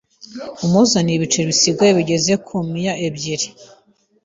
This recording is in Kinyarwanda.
amuzanire ibiceri bisigaye bigeze ku miya ebyiri.